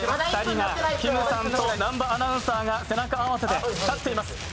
きむさんと南波アナウンサーが背中合わせで立っています。